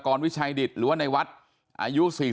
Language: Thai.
ครอบครัวญาติพี่น้องเขาก็โกรธแค้นมาทำแผนนะฮะ